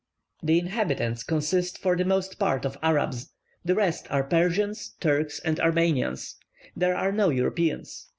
The inhabitants consist for the most part of Arabs; the rest are Persians, Turks, and Armenians. There are no Europeans.